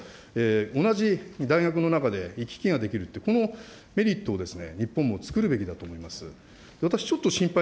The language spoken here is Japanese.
使い勝手のよさを同じ大学の中で行き来ができるって、このメリットを日本もつくるべきだと思います。